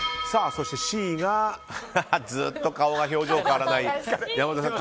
そしてＣがずっと顔は表情が変わらない山添さん。